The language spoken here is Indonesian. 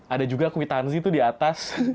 ada juga kwitansi itu di atas